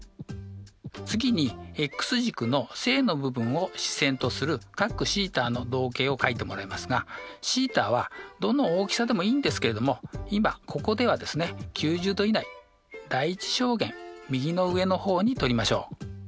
次にｘ軸の正の部分を始線とする角θの動径をかいてもらいますがθはどの大きさでもいいんですけれども今ここではですね９０°以内第一象限右の上の方にとりましょう。